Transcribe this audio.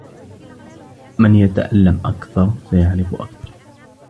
من يتألم أكثر سيعرف أكثر.